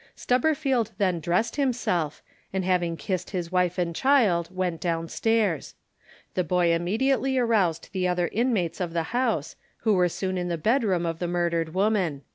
Stubberfield then dressed himself, and having kissed his wife and child, went down stairs. The boy immediately aroused the other inmates of the house, who were soon in the bedroom of the murdered woman.